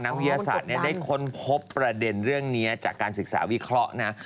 วิทยาศาสตร์ได้ค้นพบประเด็นเรื่องนี้จากการศึกษาวิเคราะห์นะ